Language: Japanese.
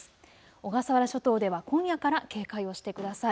小笠原諸島では今夜から警戒をしてください。